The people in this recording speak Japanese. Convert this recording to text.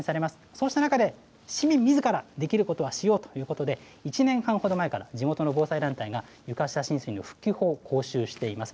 そうした中で、市民みずからできることはしようということで、１年半ほど前から、地元の防災団体が床下浸水の復旧法を講習しています。